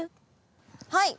はい！